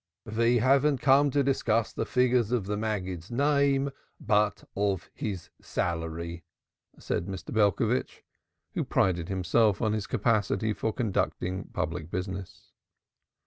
"We haven't come to discuss the figures of the Maggid's name, but of his salary." said Mr. Belcovitch, who prided himself on his capacity for conducting public business.